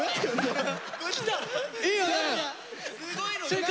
正解！